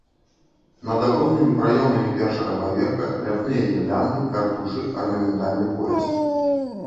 Над аконнымі праёмамі першага паверха ляпныя гірлянды, картушы, арнаментальны пояс.